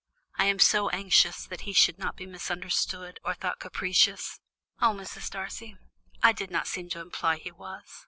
I am so anxious he should not be misunderstood, or thought capricious." "Oh, Mrs. Darcy, I did not seem to imply he was.